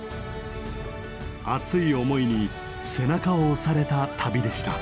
熱い思いに背中を押された旅でした。